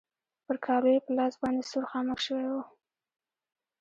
پر کالو يې په لاس باندې سور خامک شوی و.